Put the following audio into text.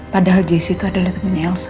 padahal jessy tuh ada temennya elsa